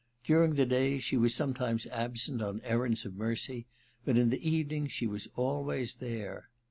During the day she was sometimes absent on errands of mercy ; but in the evening she was always there.